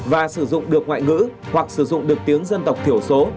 và sử dụng được ngoại ngữ hoặc sử dụng được tiếng dân tộc thiểu số